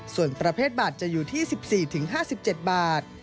ส่วนประเภทบัตรจะอยู่ที่๑๔๕๗บาท